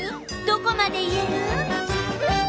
どこまで言える？